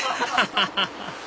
⁉ハハハハハ